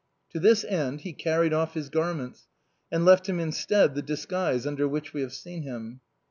To this end he carried off his garments, and left him instead the disguise under which we have seen him.